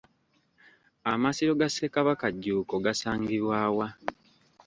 Amasiro ga Ssekabaka Jjuuko gasangibwa wa?